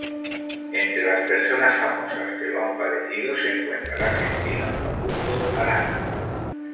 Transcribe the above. Entre las personas famosas que lo han padecido se encuentra el argentino Facundo Arana.